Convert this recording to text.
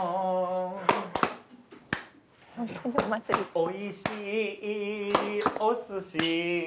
「おいしいお寿司だよ」